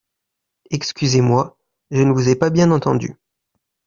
Excusez-moi, je ne vous ai pas bien entendu.